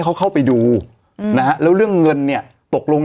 เขาเข้าไปดูอืมนะฮะแล้วเรื่องเงินเนี่ยตกลง